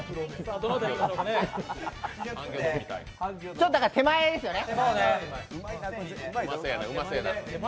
ちょっと手前ですよね。